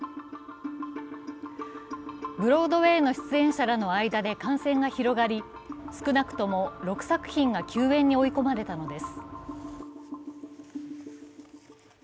ブロードウェイの出演者らの間で感染が広がり少なくとも６作品が休演に追い込まれたのです。